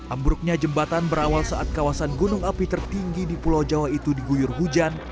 ambruknya jembatan berawal saat kawasan gunung api tertinggi di pulau jawa itu diguyur hujan